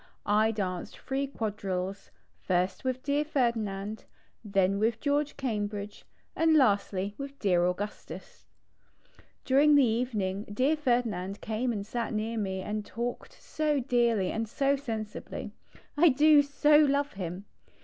I danced 3 quadrilles ; ist with dear Ferdinand, then with George Cambridge, and lastly with dear Augustus. During the evening dear Ferdinand came and sat near me and talked so dearly and so sensibly. I do so love him.